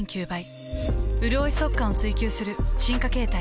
うるおい速乾を追求する進化形態。